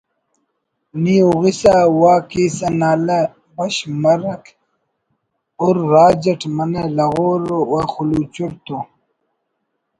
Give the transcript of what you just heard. نی ہوغسہ وا کیسہ نالہ بَش مرک ہر راج اٹ منہ لغور و خلُوچُرت ءُ